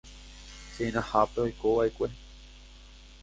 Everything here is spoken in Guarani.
Senahápe oikova'ekue